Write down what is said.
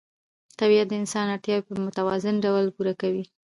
طبیعت د انسان اړتیاوې په متوازن ډول پوره کوي